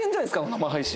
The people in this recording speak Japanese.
生配信。